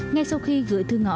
ngay sau khi gửi thư ngõ